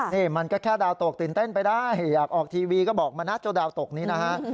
นี่มันก็แค่ดาวตกตื่นเต้นไปได้อยากออกทีวีก็บอกมานะเจ้าดาวตกนี้นะฮะ